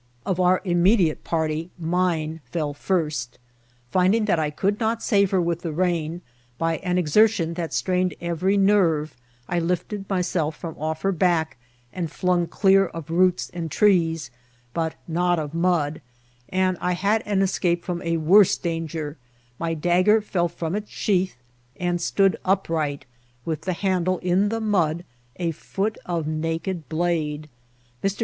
Of our immediate party, mine fell first. Finding that I could not save her with the rein, by an exertion that strained every nerve I lifted myself from off her back, and flung clear of roots and trees, but not of mud ; and I had an escape from a worse danger : my dagger fell from its sheath and stood upright, with the handle in the mud, a foot of naked blade. Mr.